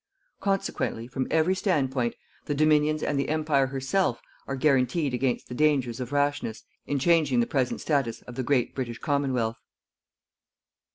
Consequently, from every standpoint the Dominions and the Empire herself are guaranteed against the dangers of rashness in changing the present status of the great British Commonwealth.